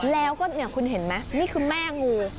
แล้วก็คุณเห็นไหมนี่คือแม่งู